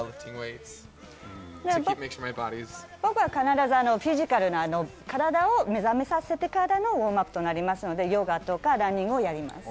まず必ずフィジカルな、体を目覚めさせてからのウオームアップとなりますので、ヨガとかランニングをやります。